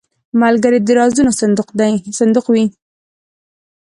ملګری د رازونو صندوق وي